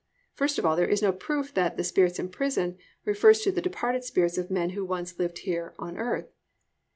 (1) First of all there is no proof that "the spirits in prison" refers to the departed spirits of men who once lived here on earth.